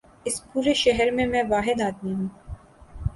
اس پورے شہر میں، میں واحد آدمی ہوں۔